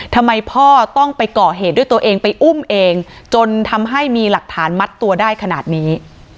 ทำไมพ่อต้องไปก่อเหตุด้วยตัวเองไปอุ้มเองจนทำให้มีหลักฐานมัดตัวได้ขนาดนี้